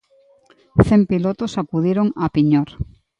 Cen pilotos acudiron a Piñor.